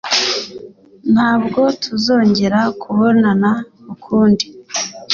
Ntabwo tuzongera kubonana ukundi.